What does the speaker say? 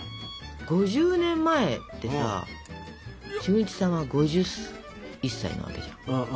５０年前ってさ俊一さんは５１歳なわけじゃん。